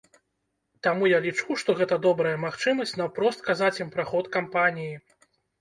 Таму я лічу, што гэта добрая магчымасць наўпрост казаць ім пра ход кампаніі.